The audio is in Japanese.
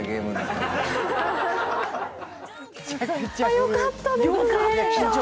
よかったですね。